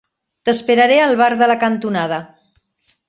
T'esperaré al bar de la cantonada.